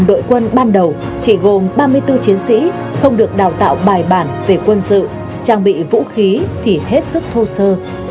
đội quân ban đầu chỉ gồm ba mươi bốn chiến sĩ không được đào tạo bài bản về quân sự trang bị vũ khí thì hết sức thô sơ